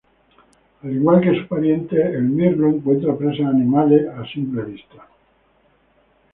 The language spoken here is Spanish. Al igual que su pariente, el mirlo, encuentra presas animales a simple vista.